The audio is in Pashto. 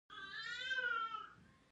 هوا د افغانستان یوه طبیعي ځانګړتیا ده.